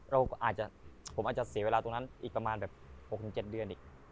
อาจจะผมอาจจะเสียเวลาตรงนั้นอีกประมาณแบบ๖๗เดือนอีก